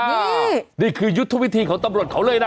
นี่นี่คือยุทธวิธีของตำรวจเขาเลยนะ